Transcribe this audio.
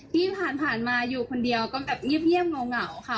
ที่ผ่านมาอยู่คนเดียวก็แบบเงียบเหงาค่ะ